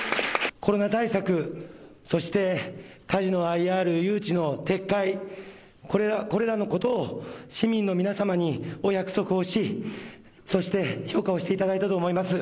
コロナ対策、そしてカジノＩＲ誘致の撤廃、これらのことを市民の皆様にお約束をしそして評価をしていただいたと思います。